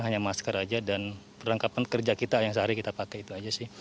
hanya masker aja dan perlengkapan kerja kita yang sehari kita pakai itu aja sih